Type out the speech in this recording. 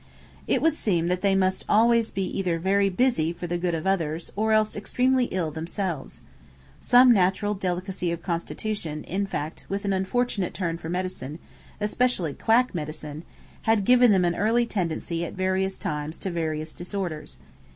It would seem that they must be always either very busy for the good of others, or else extremely ill themselves. Some natural delicacy of constitution, in fact, with an unfortunate turn for medicine, especially quack medicine, had given them an early tendency at various times to various disorders.